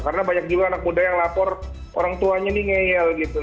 karena banyak juga anak muda yang lapor orang tuanya nih ngeyel gitu